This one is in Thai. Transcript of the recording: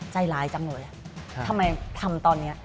ใจร้ายจังเลยทำไมทำตอนนี้